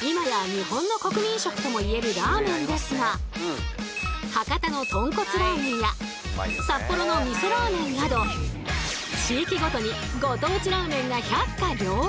今や日本の国民食とも言えるラーメンですが博多の豚骨ラーメンや札幌のみそラーメンなど地域ごとにご当地ラーメンが百花繚乱。